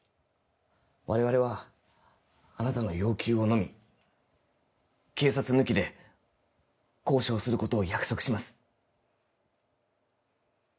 我々はあなたの要求をのみ警察抜きで交渉することを約束します